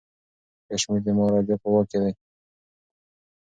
کشمیر د مهاراجا په واک کي دی.